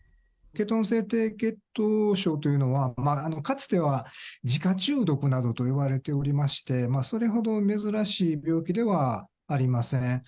ケトン性低血糖症というのは、かつては自家中毒などといわれておりまして、それほど珍しい病気ではありません。